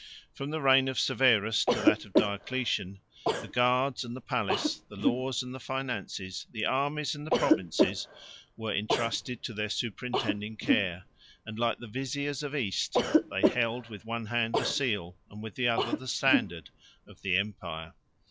From the reign of Severus to that of Diocletian, the guards and the palace, the laws and the finances, the armies and the provinces, were intrusted to their superintending care; and, like the Viziers of the East, they held with one hand the seal, and with the other the standard, of the empire.